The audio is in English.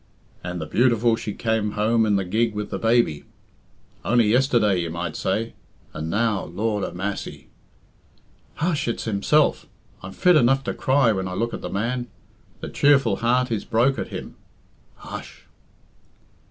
"And the beautiful she came home in the gig with the baby! Only yesterday you might say. And now, Lord a massy!" "Hush! it's himself! I'm fit enough to cry when I look at the man. The cheerful heart is broke at him." "Hush!"